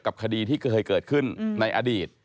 คดีที่เคยเกิดขึ้นในอดีต